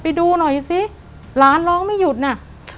ไปดูหน่อยสิหลานร้องไม่หยุดน่ะ